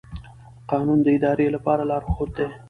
قانون د ادارې لپاره لارښود دی.